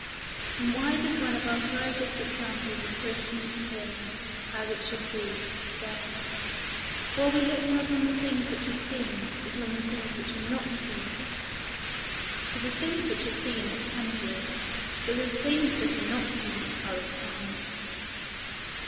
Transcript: And why does one of our brightest examples of Christian experience, as it should be, say, "While we look not on the things which are seen, but on the things which are not seen; for the things which are seen are temporal, but the things that are not seen are eternal"?